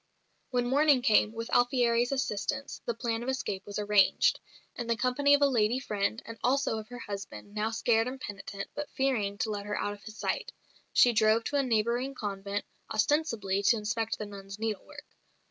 When morning came, with Alfieri's assistance, the plan of escape was arranged. In the company of a lady friend and also of her husband, now scared and penitent, but fearing to let her out of his sight she drove to a neighbouring convent, ostensibly to inspect the nuns' needlework.